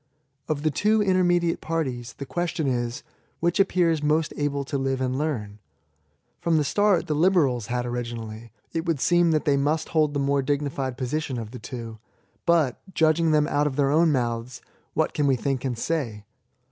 Of the two intermediate parties, the question is, which appears most able to live and learn ? From the start the liberals had ori ginally, it would seem that they must hold the more dignified position of the two. But, judging them out of their own mouths, what can we think and say